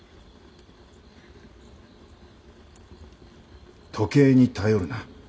回想時計に頼るな。